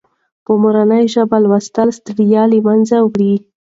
په مورنۍ ژبه لوستل ستړیا له منځه وړي.